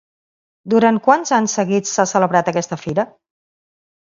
Durant quants anys seguits s'ha celebrat aquesta fira?